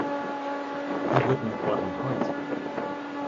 Hy wurdt mei koarten heit.